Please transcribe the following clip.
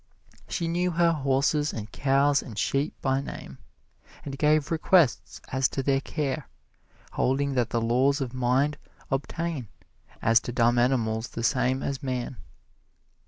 She knew her horses and cows and sheep by name, and gave requests as to their care, holding that the laws of mind obtain as to dumb animals the same as man.